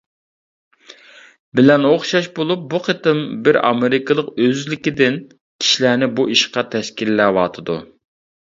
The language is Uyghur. بىلەن ئوخشاش بولۇپ، بۇ قېتىم بىر ئامېرىكىلىق ئۆزلۈكىدىن كىشىلەرنى بۇ ئىشقا تەشكىللەۋاتىدۇ.